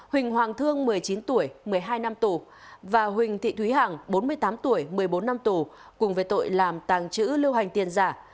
huỳnh hoàng thương một mươi chín tuổi một mươi hai năm tù và huỳnh thị thúy hằng bốn mươi tám tuổi một mươi bốn năm tù cùng về tội làm tàng trữ lưu hành tiền giả